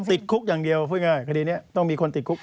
ติดคุกอย่างเดียวพูดง่ายคดีนี้ต้องมีคนติดคุก